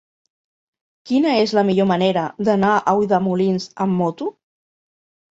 Quina és la millor manera d'anar a Ulldemolins amb moto?